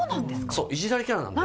そういじられキャラなんで。